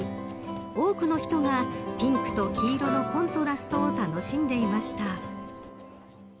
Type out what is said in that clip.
多くの人がピンクと黄色のコントラストを楽しんでいました。